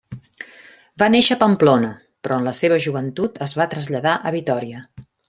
Va néixer a Pamplona, però en la seva joventut es va traslladar a Vitòria.